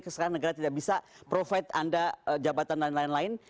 karena negara tidak bisa provide anda jabatan lain lain